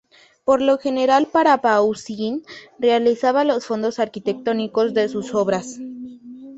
Por lo general, para Poussin realizaba los fondos arquitectónicos de sus obras.